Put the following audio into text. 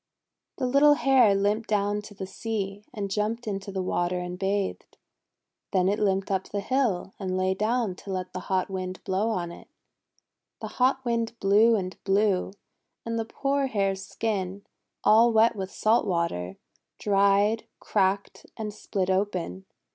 The little Hare limped down to the sea, and 182 THE WONDER GARDEN jumped into the water and bathed. Then it limped up the hill and lay down to let the hot Wind blow on it. The hot Wind blew and blew, and the poor Hare's skin, all wet with salt water, dried, cracked, and split open.